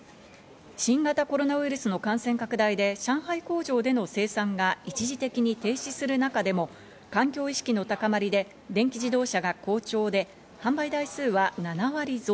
新型コロナウイルスの感染拡大で、上海工場での生産が一時的に停止する中でも環境意識の高まりで電気自動車が好調で、販売台数は７割増。